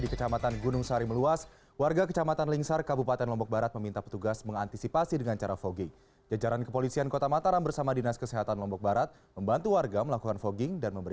ke sejumlah kecamatan terdekat seperti kecamatan lingsar dan kecamatan batu layar